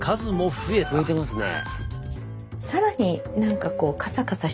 増えてますね。